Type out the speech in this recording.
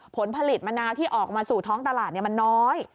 ผลผลิตมะนาวที่ออกมาสู่ท้องตลาดมันน้อย